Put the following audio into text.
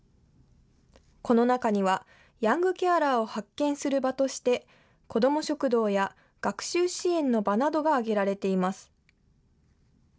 この中にはヤングケアラーを発見する場として子ども食堂や学習支援の場などが挙げられています。